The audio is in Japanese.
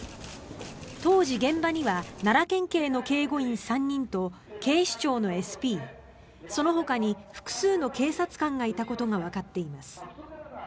当時、現場には奈良県警の警護員３人と警視庁のＳＰ、そのほかに複数の警察官がいたことがわかっています。